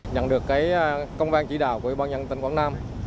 nhận được công vang chỉ đạo của bộ nhân tỉnh quảng nam